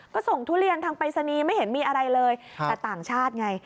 ก็ส่งทุเรียนทางปริศนีย์ไม่เห็นมีอะไรเลยแต่ต่างชาติไง